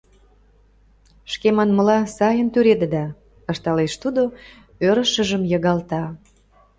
— Шке манмыла, сайын тӱредыда, — ышталеш тудо, ӧрышыжым йыгалта.